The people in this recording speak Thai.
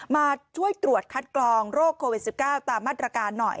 มาช่วยตรวจคัดกรองโรคโควิด๑๙ตามมาตรการหน่อย